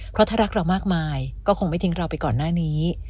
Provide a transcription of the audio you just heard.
เพราะถ้ารักเรามากมายก็คงไม่ทิ้งเราไปก่อนหน้านี้